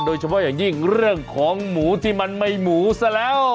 โดยเฉพาะอย่างยิ่งเรื่องของหมูที่มันไม่หมูซะแล้ว